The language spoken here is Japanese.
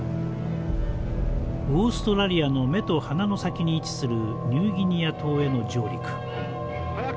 オーストラリアの目と鼻の先に位置するニューギニア島への上陸。